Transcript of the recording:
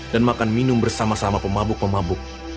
dan makan minum bersama sama pemabuk pemabuk